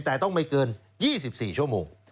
แต่ต้องไม่เกิน๒๔ชั่วโมง